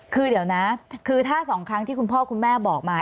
คือเดี๋ยวนะคือถ้า๒ครั้งที่คุณพ่อคุณแม่บอกมา